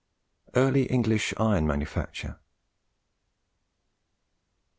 EARLY ENGLISH IRON MANUFACTURE.